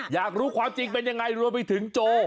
อยากรู้ความจริงเป็นยังไงรวมไปถึงโจ